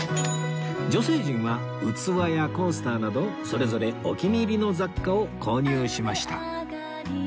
女性陣は器やコースターなどそれぞれお気に入りの雑貨を購入しました